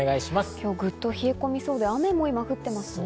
今日グッと冷え込みそうで雨も降っていますね。